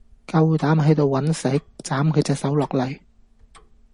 夠膽喺度搵食？斬佢隻手落嚟！